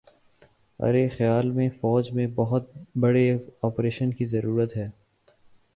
ارے خیال میں فوج میں بہت بڑے آپریشن کی ضرورت ہے